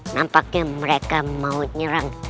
nampaknya mereka mau nyerang